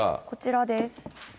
こちらです。